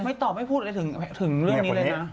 ตอบไม่พูดอะไรถึงเรื่องนี้เลยนะ